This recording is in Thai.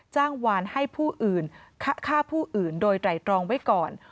จ้างวานให้ผู้อื่นฆ่าผู้อื่นโดยไตรตรองไว้ก่อน